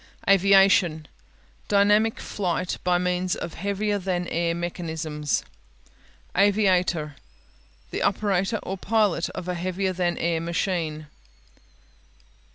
Aviation (a vi a'shun) Dynamic flight by means of heavier than air mechanisms. Aviator (a'vi a ter) The operator or pilot of a heavier than air machine.